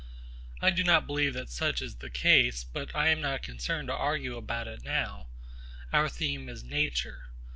I do not believe that such is the case; but I am not concerned to argue about it now. Our theme is Nature.